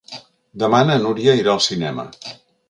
Demà na Núria irà al cinema.